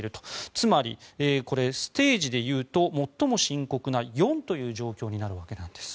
つまり、ステージでいうと最も深刻な４という状況になるわけなんです。